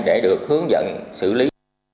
để được hướng dẫn xử lý